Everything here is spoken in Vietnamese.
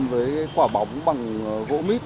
với quả bóng bằng gỗ mít